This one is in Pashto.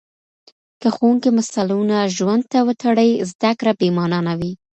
که ښوونکی مثالونه ژوند ته وتړي، زده کړه بې مانا نه وي.